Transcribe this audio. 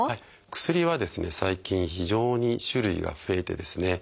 薬は最近非常に種類が増えてですね